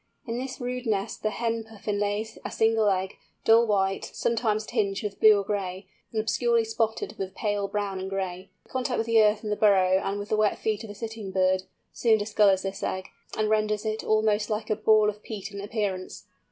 In this rude nest the hen Puffin lays a single egg, dull white, sometimes tinged with blue or gray, and obscurely spotted with pale brown and gray. Contact with the earth in the burrow and with the wet feet of the sitting bird, soon discolours this egg, and renders it almost like a ball of peat in appearance.